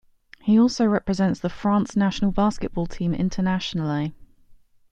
He also represents the France national basketball team internationally.